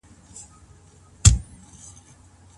ایا ښځه کولای سي چي د کار په ځای کي سينګار وکړي؟